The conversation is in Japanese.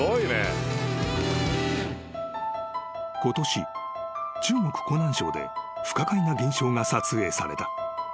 ［ことし中国湖南省で不可解な現象が撮影された］